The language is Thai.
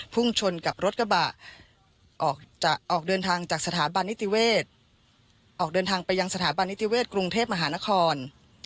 พุ่งชนกับรถกระบะออกเดินทางจากสถาบันนิติเวศออกเดินทางไปยังสถาบันนิติเวศกรุงเทพมหานคร